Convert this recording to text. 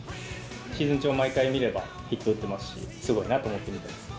シーズン中も毎回見れば、ヒット打ってますし、すごいなと思って見てます。